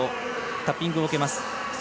タッピングを受けます。